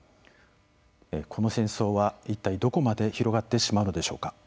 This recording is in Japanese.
この戦争は一体どこまで広がってしまうのでしょうか。